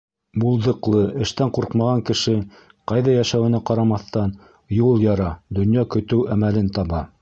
Булдыҡлы, эштән ҡурҡмаған кеше, ҡайҙа йәшәүенә ҡарамаҫтан, юл яра, донъя көтөү әмәлен таба.